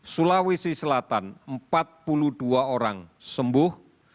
sulawesi selatan empat puluh dua orang sembuh